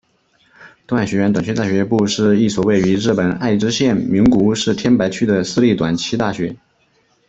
东海学园短期大学部是一所位于日本爱知县名古屋市天白区的私立短期大学。